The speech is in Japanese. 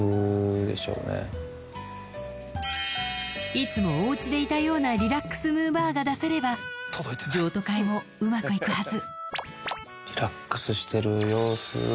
いつもおうちでいたようなリラックスむぅばあが出せれば譲渡会もうまくいくはず